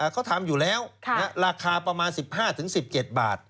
เขาทำอยู่แล้วราคาประมาณ๑๕๑๗บาท